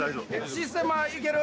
システマいける？